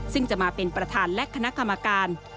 ซึ่งจะมาเป็นประธานและคณะกรรมการ